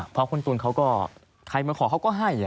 เพราะคุณตูนเขาก็ใครมาขอเขาก็ให้